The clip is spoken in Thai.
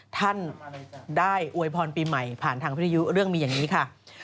ท่านได้อวยพรปีใหม่ผ่านทางวิทยุเรื่องมีอย่างนี้ค่ะ